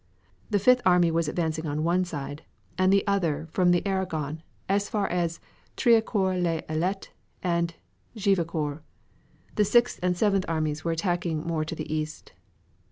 The Fifth army was advancing on one side and the other from the Argonne as far as Triacourt les Islettes and Juivecourt. The Sixth and Seventh armies were attacking more to the east.